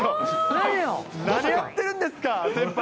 何やってるんですか、先輩。